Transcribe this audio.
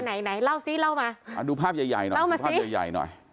อ่ะดูภาพใหญ่หน่อย